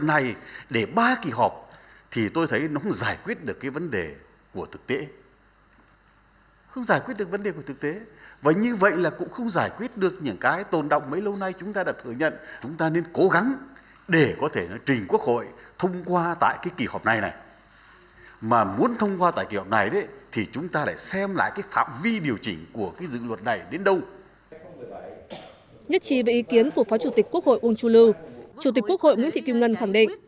nhất trí về ý kiến của phó chủ tịch quốc hội unchulu chủ tịch quốc hội nguyễn thị kim ngân khẳng định